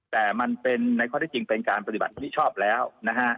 แต่มันเป็นในข้อที่จริงเป็นการปฏิบัติที่ชอบแล้วนะฮะ